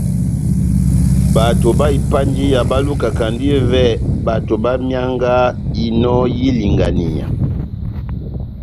Bato bá ipanjiya bá lukakandi ivɛ bato bá mianga inò y'ilinganiya.